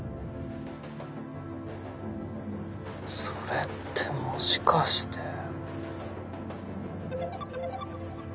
それってもしかして。